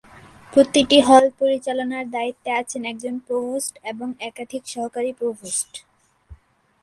প্রতিটি হল পরিচালনার দায়িত্বে আছেন একজন প্রভোস্ট এবং একাধিক সহকারী প্রভোস্ট।